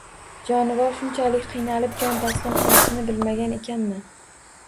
Jonivor shunchalik qiynalib jon taslim qilishini bilmagan ekanman